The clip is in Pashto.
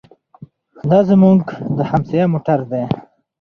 دا زموږ د همسایه موټر دی.